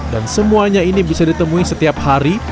dan semuanya ini bisa ditemui setiap hari